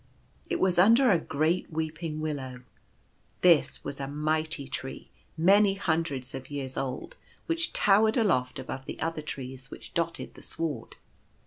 It was under a great Weeping Willow. This was a mighty tree, many hundreds of years old, which towered aloft above the other trees which dotted the sward.